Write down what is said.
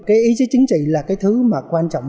cái ý chí chính trị là cái thứ mà quan trọng